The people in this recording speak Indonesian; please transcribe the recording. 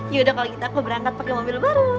ya udah kalau gitu aku berangkat pake mobil baru